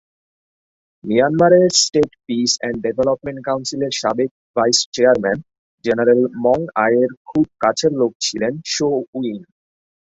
মিয়ানমারের state peace and development council এর সাবেক vice chairman general Maung Aye এর খুব কাছের লোক ছিলেন শো উইন।